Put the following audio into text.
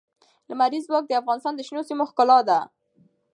لمریز ځواک د افغانستان د شنو سیمو ښکلا ده.